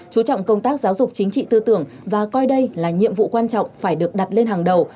chú trọng công tác giáo dục chính trị tư tưởng và coi đây là nhiệm vụ quan trọng phải được đặt lên hàng đầu